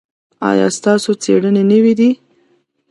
ایا ستاسو څیړنې نوې دي؟